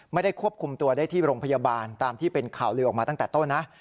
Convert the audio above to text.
ไม่ได้ควบคุมตัวได้ที่โรงพยาบาลตามที่เป็นข่าวลือออกมาตั้งแต่ต้นนะ